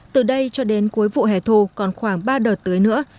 từ đây cho đến cuối vụ hè thu còn khoảng ba đợt tưới nữa